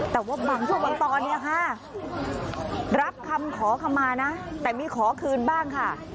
แต่ว่าบางช่วงบางตอนเนี่ยค่ะรับคำขอคำมานะแต่มีขอคืนบ้างค่ะ